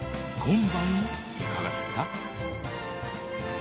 今晩いかがですか？